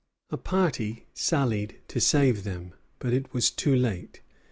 A party sallied to save them; but it was too late.